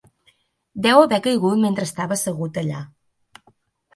Deu haver caigut mentre estava assegut allà.